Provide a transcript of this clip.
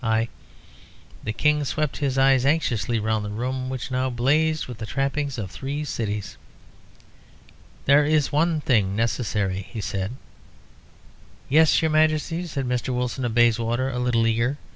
I " The King swept his eyes anxiously round the room, which now blazed with the trappings of three cities. "There is one thing necessary," he said. "Yes, your Majesty," said Mr. Wilson of Bayswater, a little eagerly.